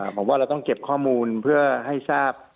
ผมว่าเราต้องเก็บข้อมูลเพื่อให้ทราบ